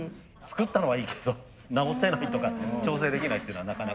作ったのはいいけど直せないとか調整できないっていうのはなかなかね。